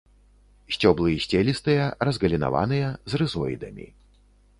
Сцёблы сцелістыя, разгалінаваныя, з рызоідамі.